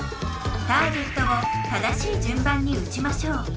ターゲットを正しいじゅんばんにうちましょう。